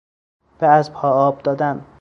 به اسبها آب دادن